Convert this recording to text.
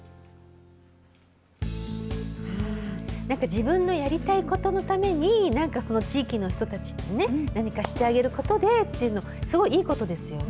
自分のやりたいことのために、なんかその地域の人たちにね、何かしてあげることでっていうのはすごいいいことですよね。